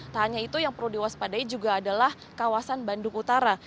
tak hanya itu yang perlu diwaspadai juga adalah kawasan bandung utara